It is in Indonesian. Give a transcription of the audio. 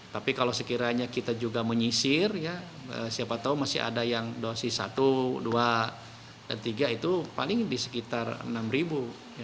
tapi kalau sekiranya kita juga menyisir siapa tahu masih ada yang dosis satu dua dan tiga itu paling di sekitar enam ribu